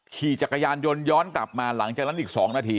ขี่จักรยานยนต์ย้อนกลับมาหลังจากนั้นอีก๒นาที